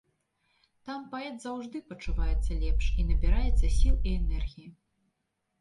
Там паэт заўжды пачуваецца лепш і набіраецца сіл і энергіі.